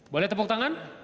boleh tepuk tangan